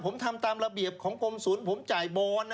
ผมทำตามระเบียบของกรมศูนย์ผมจ่ายบอลนะ